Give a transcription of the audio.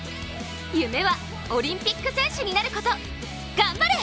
夢はオリンピック選手になること頑張れ！